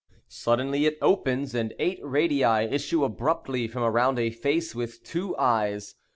Suddenly it opens, and eight radii issue abruptly from around a face with two eyes.